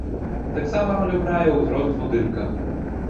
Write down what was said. Таксама ролю грае ўзрост будынка.